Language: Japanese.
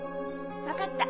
分かった。